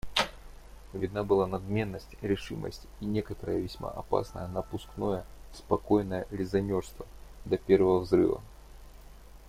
Видна была надменность, решимость и некоторое весьма опасное напускное спокойное резонерство до первого взрыва.